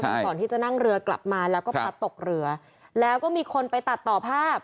ก่อนที่จะนั่งเรือกลับมาแล้วก็พัดตกเรือแล้วก็มีคนไปตัดต่อภาพ